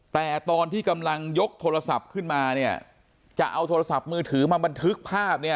แต่ตอนที่กำลังยกโทรศัพท์ขึ้นมาเนี่ยจะเอาโทรศัพท์มือถือมาบันทึกภาพเนี่ย